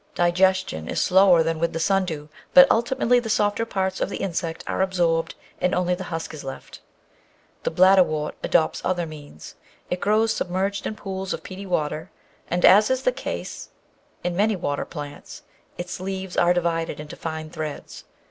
Digestion is slower than with the sundew, but ultimately the softer parts of the insect are absorbed and only the husk is left. The bladderwort adopts other means. It grows submerged in pools of peaty water, and, as is the case in many water plants, its leaves are divided into fine threads.